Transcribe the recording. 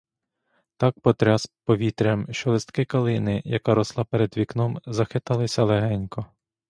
Так потряс повітрям, що листки калини, яка росла перед вікном, захиталися легенько.